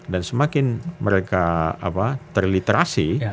dan semakin mereka terliterasi